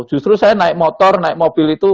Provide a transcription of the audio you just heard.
justru saya naik motor naik mobil itu